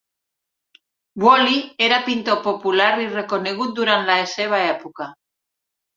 Boilly era un pintor popular i reconegut durant la seva època.